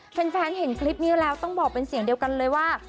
เห็นคลิปนี้แล้วต้องบอกเป็นเสียงเดียวกันเลยว่า